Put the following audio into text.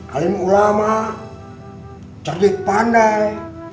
alim ulama cerdik pandai